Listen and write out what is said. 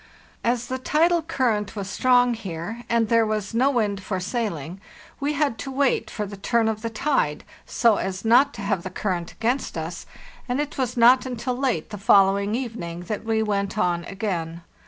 As the tidal current was strong here, and there was no wind for sailing, we had to wait for the turn of the tide, so as not to have the current against us; and it was not until late the following evening that we went on again.